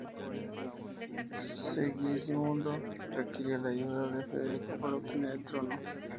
Segismundo requirió la ayuda de Federico para obtener el trono.